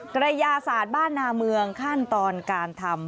กระยาศาสตร์บ้านนาเมืองขั้นตอนการทำ